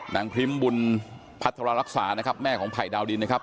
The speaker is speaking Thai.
พริมบุญพัฒนารักษานะครับแม่ของไผ่ดาวดินนะครับ